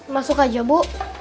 masuk aja bu